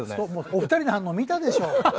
お二人の反応見たでしょう。